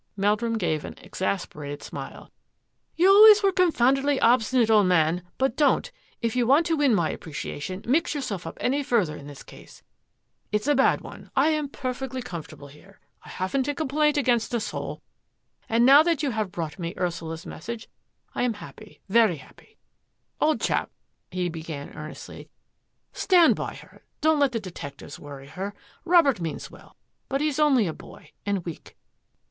Meldrum gave an exasperated smile. " You always were confoundedly obstinate, old man, but don't, if you want to win my appreciation, mix yourself up any further in this case. It's a bad one. I am perfectly comfortable here, I haven't a complaint against a soul, and now that you have brought me Ursula's message, I am happy — very happy. Old chap," he begged earnestly, stand by her ; don't let the detectives worry her. Robert means well, but he's only a boy, and weak."